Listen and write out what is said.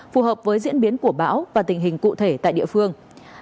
phù hợp với diễn biến của bão và tình hình cụ thể tại địa phương